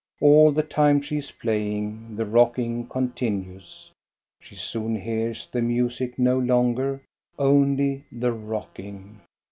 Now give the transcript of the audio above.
All the time she is playing the rocking con tinues; she soon hears the music no longer, only the rocking.